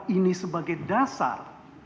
ini sebagai dasar